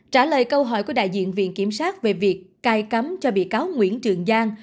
trả lời câu hỏi của đại diện viện kiểm sát về việc cai cắm cho bị cáo nguyễn trường giang